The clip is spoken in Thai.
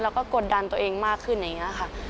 แล้วก็กดดันตัวเองมากขึ้นอย่างนี้ค่ะ